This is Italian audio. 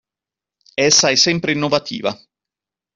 Essa è sempre innovativa.